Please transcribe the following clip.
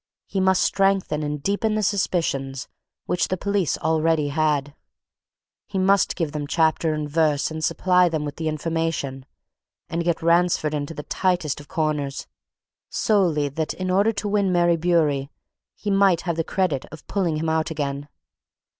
He must strengthen and deepen the suspicions which the police already had: he must give them chapter and verse and supply them with information, and get Ransford into the tightest of corners, solely that, in order to win Mary Bewery, he might have the credit of pulling him out again.